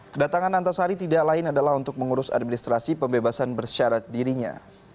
kedatangan antasari tidak lain adalah untuk mengurus administrasi pembebasan bersyarat dirinya